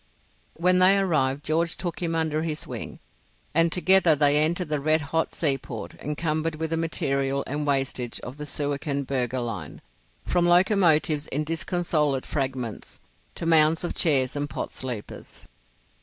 When they arrived George took him under his wing, and together they entered the red hot seaport, encumbered with the material and wastage of the Suakin Berger line, from locomotives in disconsolate fragments to mounds of chairs and pot sleepers.